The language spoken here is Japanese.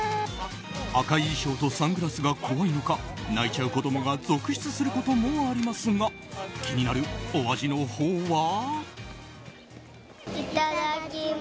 赤い衣装とサングラスが怖いのか泣いちゃう子供が続出することもありますが気になるお味のほうは。